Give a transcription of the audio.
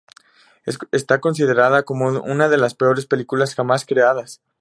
Está considerada como una de las peores películas jamás creadas.